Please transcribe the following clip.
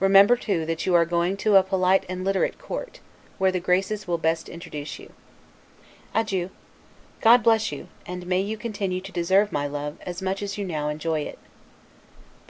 Remember, too, that you are going to a polite and literate court, where the Graces will best introduce you. Adieu. God bless you, and may you continue to deserve my love, as much as you now enjoy it!